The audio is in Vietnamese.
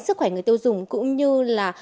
sức khỏe người tiêu dùng cũng như là